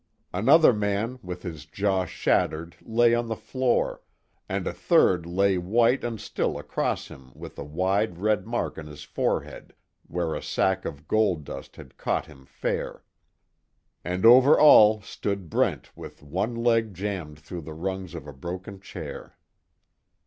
Another man with his jaw shattered lay on the floor, and a third lay white and still across him with a wide red mark on his forehead where a sack of gold dust had caught him fair. And over all stood Brent with one leg jammed through the rungs of a broken chair.